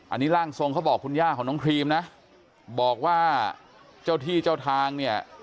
อันนี้ร่างทรงเขาบอกคุณย่าของน้องครีมนะบอกว่าเจ้าที่เจ้าทางเนี่ย